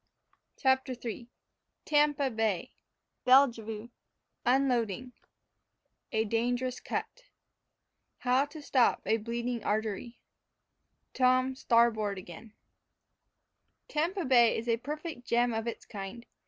CHAPTER III TAMPA BAY BELLEVUE UNLADING A DANGEROUS CUT HOW TO STOP A BLEEDING ARTERY TOM STARBOARD AGAIN Tampa Bay is a perfect gem of its kind.